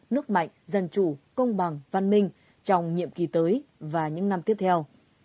nước mạnh dân chủ công bằng văn minh trong nhiệm kỳ tới và những năm tiếp theo